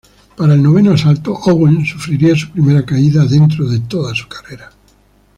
Para el noveno asalto Owen sufriría su primera caída dentro de toda su carrera.